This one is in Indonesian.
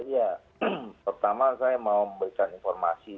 ya pertama saya mau memberikan informasi